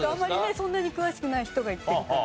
そんなに詳しくない人が行ってるから。